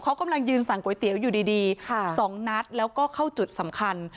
เขากำลังยืนสั่งก๋วยเตี๋ยวอยู่ดี๒นัดแล้วก็เข้าจุดสำคัญ